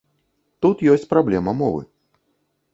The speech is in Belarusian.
Тут ёсць праблема мовы.